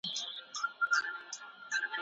د کمپیوټر په سکرین کې د مڼې عکس لیدل کېږي.